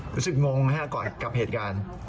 รู้สึกงงมากกับเหตุการณ์